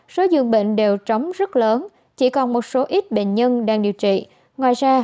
số dường bệnh đều trống rất lớn chỉ còn một số ít bệnh nhân đang điều trị ngoài ra